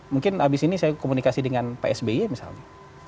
mungkin habis ini saya komunikasi dengan psby misalnya